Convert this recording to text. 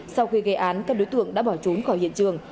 sau khi gây án các đối tượng đã bỏ trốn khỏi hiện trường